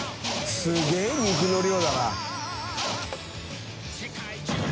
すげぇ肉の量だな。